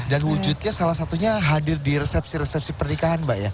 dan wujudnya salah satunya hadir di resepsi resepsi pernikahan mbak ya